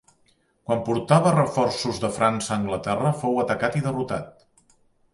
Quan portava reforços de França a Anglaterra fou atacat i derrotat.